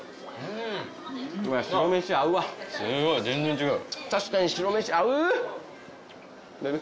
すごい全然違う。